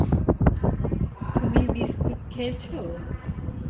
তুমি বিস্কুট খেয়েছ?